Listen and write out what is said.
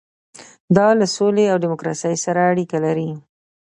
دا له سولې او ډیموکراسۍ سره اړیکه لري.